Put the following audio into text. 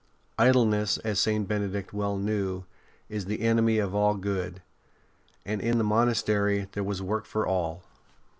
Idleness, as St. Benedict well knew, is the enemy of all good, and in the monastery there was work for all.